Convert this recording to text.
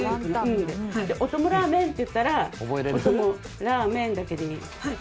おともラーメンって言ったら「ラーメン」だけでいい。